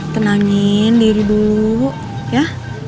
tenangin diri dulu ya